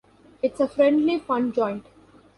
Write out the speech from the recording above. It's a friendly fun joint.